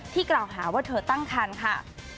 ที่กล่าวหาว่าเธอตั้งครรภ์ค่ะ